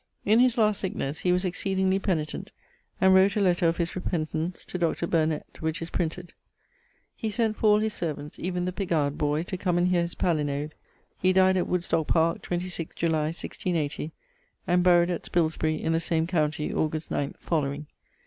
In his last sicknesse he was exceedingly paenitent and wrote a lettre of his repentance to Dr. Burnet, which is printed. He sent for all his servants, even the piggard boy, to come and heare his palinode. He dyed at Woodstock parke, 26 July, 1680; and buried at Spilsbury in the same countie, Aug. 9 following.